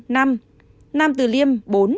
nam từ liêm bốn